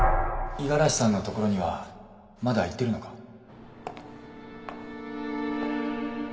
五十嵐さんのところにはまだ行ってるのか？